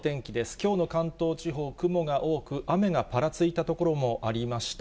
きょうの関東地方、雲が多く、雨がぱらついた所もありました。